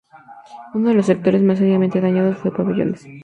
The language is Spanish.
Uno de los sectores más seriamente dañados fue Pabellones.